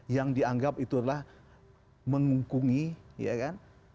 yang dianggap itu adalah mengungkungi ya kan